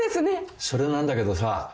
それなんだけどさ